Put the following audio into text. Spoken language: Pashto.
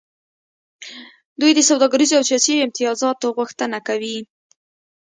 دوی د سوداګریزو او سیاسي امتیازاتو غوښتنه کوي